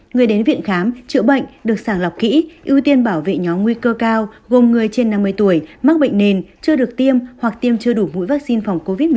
người đến viện khám chữa bệnh được sàng lọc kỹ ưu tiên bảo vệ nhóm nguy cơ cao gồm người trên năm mươi tuổi mắc bệnh nền chưa được tiêm hoặc tiêm chưa đủ mũi vaccine phòng covid một mươi chín